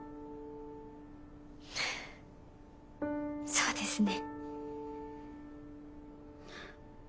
そうですね。